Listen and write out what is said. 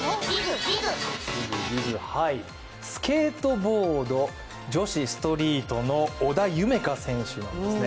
スケートボード女子ストリートの織田夢海選手なんですね。